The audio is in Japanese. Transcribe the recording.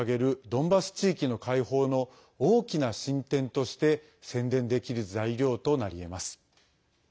ドンバス地域の解放の大きな進展として宣伝できる材料となりえます。